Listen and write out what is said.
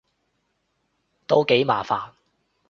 都幾麻煩